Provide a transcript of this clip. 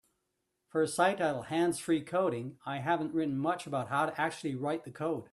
For a site titled Hands-Free Coding, I haven't written much about How To Actually Write The Code.